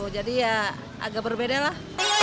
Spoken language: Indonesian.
jadi ya agak berbeda lah